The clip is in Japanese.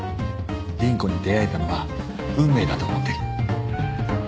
倫子に出会えたのは運命だと思ってる。